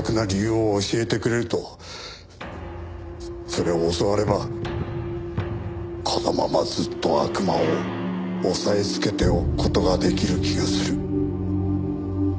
それを教わればこのままずっと悪魔を抑えつけておく事が出来る気がする。